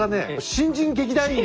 新人劇団員！